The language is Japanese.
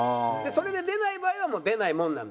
それで出ない場合はもう出ないもんなんだって。